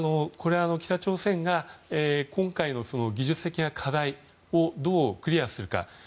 北朝鮮が今回の技術的な課題をどうクリアするか。